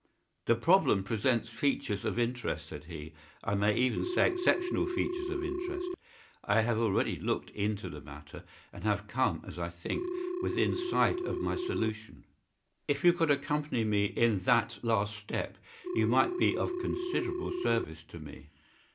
"The problem presents features of interest," said he. "I may even say exceptional features of interest. I have already looked into the matter, and have come, as I think, within sight of my solution. If you could accompany me in that last step you might be of considerable service to me."